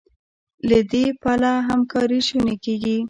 له دې پله همکاري شونې کېږي.